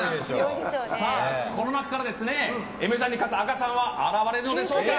この中からえめちゃんに勝つ赤ちゃんは現れるのでしょうか。